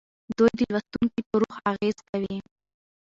دوی د لوستونکي په روح اغیز کوي.